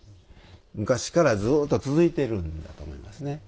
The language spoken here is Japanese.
昔からずっと続いているんだと思います。